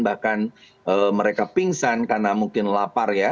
bahkan mereka pingsan karena mungkin lapar ya